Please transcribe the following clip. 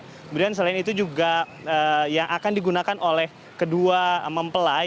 kemudian selain itu juga yang akan digunakan oleh kedua mempelai